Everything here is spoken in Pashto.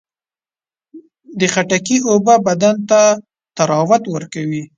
د خټکي اوبه بدن ته طراوت ورکوي.